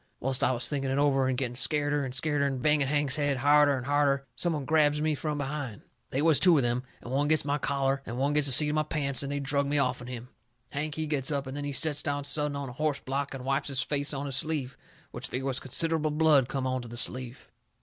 Whilst I was thinking it over, and getting scareder and scareder, and banging Hank's head harder and harder, some one grabs me from behind. They was two of them, and one gets my collar and one gets the seat of my pants, and they drug me off'n him. Hank, he gets up, and then he sets down sudden on a horse block and wipes his face on his sleeve, which they was considerable blood come onto the sleeve.